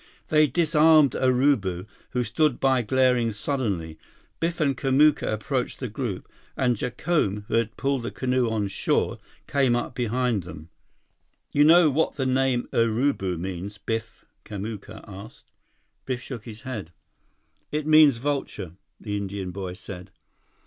They disarmed Urubu, who stood by glaring sullenly. Biff and Kamuka approached the group, and Jacome, who had pulled the canoe on shore, came up behind them. "You know what the name Urubu means, Biff?" Kamuka asked. Biff shook his head. "It means vulture," the Indian boy said.